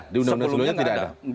sebelumnya tidak ada